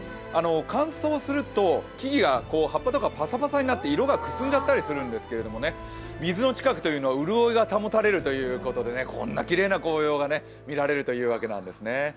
乾燥すると木々が葉っぱとかカサカサになって色がくすんじゃったりするんですけれども、水の近くは潤いが保たれるということでこんなきれいな紅葉が見られるというわけなんですね。